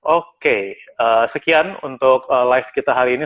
oke sekian untuk live kita hari ini